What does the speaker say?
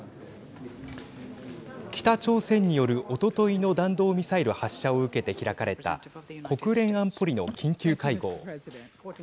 北朝鮮によるおとといの弾道ミサイル発射を受けて開かれた国連安保理の緊急会合。